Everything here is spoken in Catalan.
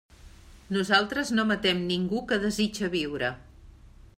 Nosaltres no matem ningú que desitja viure.